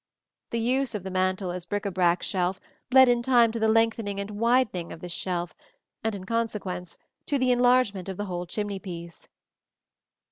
The use of the mantel as a bric à brac shelf led in time to the lengthening and widening of this shelf, and in consequence to the enlargement of the whole chimney piece.